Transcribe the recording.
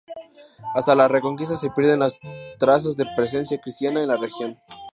Hasta la Reconquista se pierden las trazas de presencia cristiana en la región.